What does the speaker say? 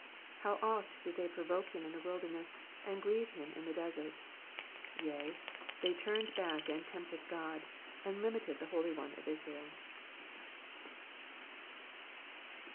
40 How oft did they provoke him in the wilderness, and grieve him in the desert ! 41 Yea, they turned back and tempted God, and limited the Holy One of Israel.